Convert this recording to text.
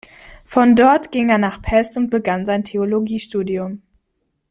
Von dort ging er nach Pest und begann sein Theologiestudium.